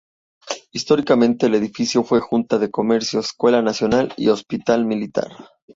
Históricamente el edificio fue Junta de Comercio, Escuela Nacional y hospital militar.